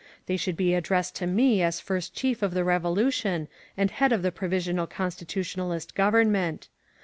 They should be addressed to me as First Chief of the Revo lution and head of the Provisional Constitutionalist Government.